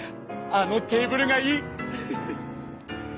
あのテーブルがいい！